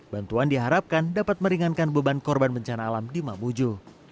bantuan diharapkan dapat meringankan beban korban bencana alam di mamuju